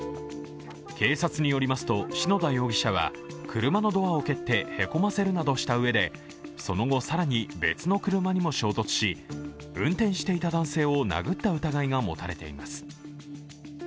警察によりますと、篠田容疑者は車のドアを蹴ってへこませるなどした上で、その後、更に別の車にも衝突し、運転していた男性を殴った疑いが持たれています。